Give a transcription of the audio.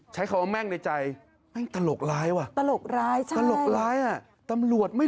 อย่าพึ่งเดี๋ยวของตูดข้างใน